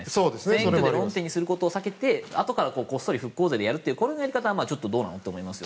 選挙で論点をすることに避けてあとからこっそり復興税でやるというのはちょっとどうなのと思いますよね。